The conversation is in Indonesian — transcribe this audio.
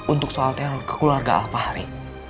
untuk soal teror ke keluarga alpahari